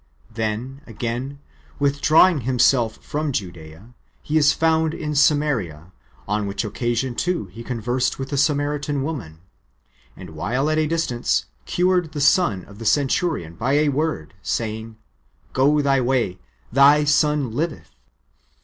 Then, again, withdrawing Himself [from Judsea], He is found in Samaria ; on which occasion, too, He conversed with the Samaritan woman, and while at a distance, cured the son of the centurion by a word, saying, " Go thy way, thy son livetli."